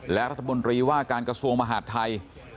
และรัฐมนตรีว่าการกระทรวงมหาดไทย